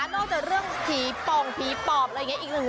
จากเรื่องผีป่องผีปอบอะไรอย่างนี้อีกหนึ่ง